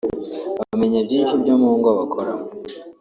bamenya byinshi byo mu ngo bakoramo